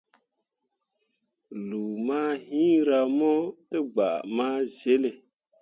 Lu mah hiŋra mo tegbah ma zele.